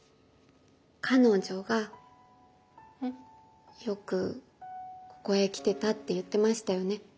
彼女がよくここへ来てたって言ってましたよね？